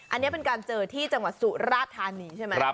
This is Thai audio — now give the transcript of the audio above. อันนี้เป็นการเจอที่จังหวัดสุราธานีใช่ไหม